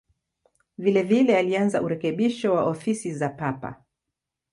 Vilevile alianza urekebisho wa ofisi za Papa.